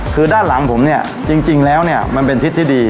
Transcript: คือด้านหลังผมเนี่ยจริงแล้วเนี่ยมันเป็นทิศที่ดี